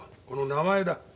この名前だ。